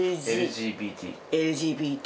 ＬＧＢＴ。